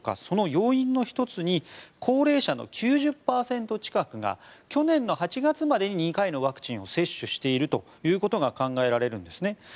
その要因の１つに高齢者の９０％近くが去年の８月までに２回のワクチンを接種しているということが考えられるんですね。